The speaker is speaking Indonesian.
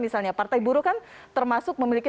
misalnya partai buruh kan termasuk memiliki